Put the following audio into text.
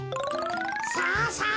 さあさあ